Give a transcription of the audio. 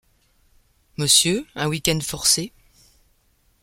Monsieur Un week-end forcé ?